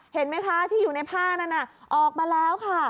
เห็นไหมคะที่อยู่ในผ้านั้นออกมาแล้วค่ะ